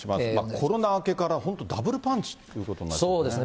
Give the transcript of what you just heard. コロナ明けから本当、ダブルパンチということになってますね。